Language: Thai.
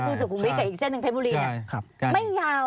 คุณสุขุมวิทย์กับอีกเส้นหนึ่งเพ้มบุรีเนี่ย